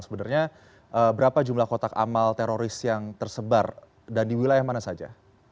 sebenarnya berapa jumlah kotak amal teroris yang tersebar dan di wilayah mana saja